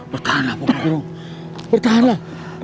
bertahanlah bapak guru bertahanlah